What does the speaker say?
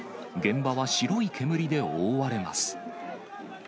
現場は白い煙で覆われます。